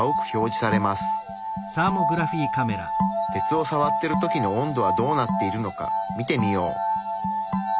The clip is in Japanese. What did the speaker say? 鉄をさわってる時の温度はどうなっているのか見てみよう。